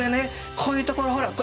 こういうところほら！